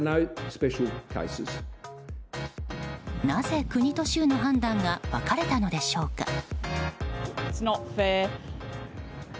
なぜ国と州の判断が分かれたのでしょうか。